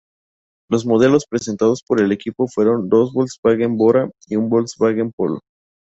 Los modelos presentados por el equipo fueron dos Volkswagen Bora y un Volkswagen Polo.